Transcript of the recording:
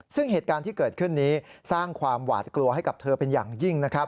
ซึ่งเหตุการณ์ที่เกิดขึ้นนี้สร้างความหวาดกลัวให้กับเธอเป็นอย่างยิ่งนะครับ